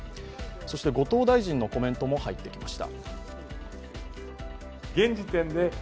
後藤大臣のコメントも入ってきました。